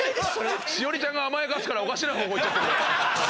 栞里ちゃんが甘やかすからおかしな方向行っちゃってる。